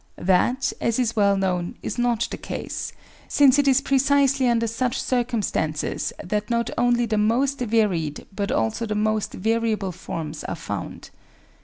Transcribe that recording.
That, as is well known, is not the case, since it is pre cisely under such circumstances that not only the most varied but also the most variable forms are found.